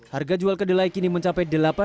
harga jual kedelai kini mencapai rp delapan